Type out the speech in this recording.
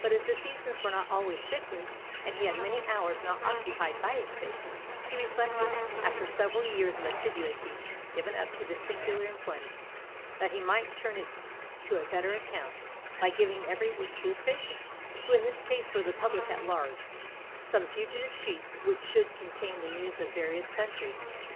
But as the seasons were not always sickly, and he had many hours not occupied by his patients, he reflected, after several years of assiduity given up to this singular employment, that he might turn it to a better account, by giving every week to his patients, who in this case were the public at large, some fugitive sheets which should contain the news of various countries.